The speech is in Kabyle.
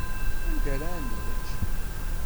Anda ara nečč?